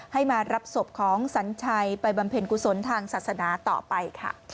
ให้มารับศพของสัญชัยไปบำเพ็ญกุศลทางศาสนาต่อไปค่ะ